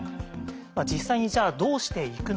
実際にじゃあどうしていくのか。